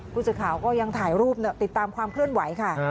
ผู้สื่อข่าวก็ยังถ่ายรูปติดตามความเคลื่อนไหวค่ะ